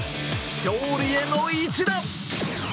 勝利への一打。